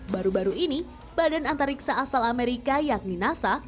baru baru ini badan antariksa asal amerika yakni nasa